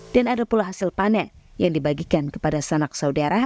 dan ada pula hasil panen yang dibagikan kepada sanak saudara